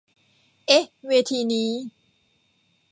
เอ๊ะเวทีนี้